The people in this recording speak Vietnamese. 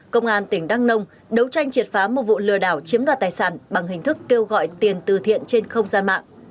công an tỉnh đăng nông đấu tranh triệt phá một vụ lừa đảo chiếm đoạt tài sản bằng hình thức kêu gọi tiền từ thiện trên không gian mạng